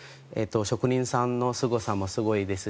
職人さんのすごさもすごいですし。